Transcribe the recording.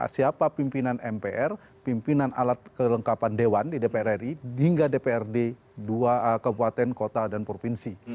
siapa pimpinan mpr pimpinan alat kelengkapan dewan di dpr ri hingga dprd dua kabupaten kota dan provinsi